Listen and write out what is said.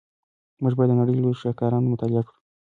موږ باید د نړۍ لوی شاهکارونه مطالعه کړو.